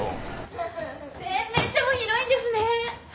・洗面所も広いんですね。